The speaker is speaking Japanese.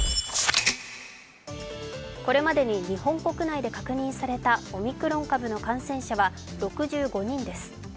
これまでに日本国内で確認されたオミクロン株の感染者は６５人です。